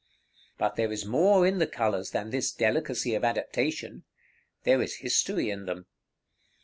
But there is more in the colors than this delicacy of adaptation. There is history in them.